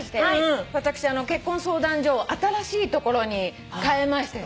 私結婚相談所を新しい所に変えましてね。